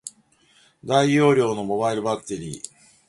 大容量のモバイルバッテリー